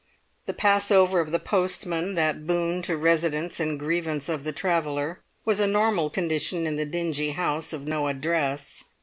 The passover of the postman, that boon to residents and grievance of the traveller, was a normal condition in the dingy house of no address.